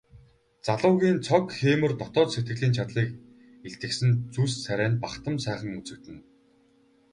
Залуугийн цог хийморь дотоод сэтгэлийн чадлыг илтгэсэн зүс царай нь бахдам сайхан үзэгдэнэ.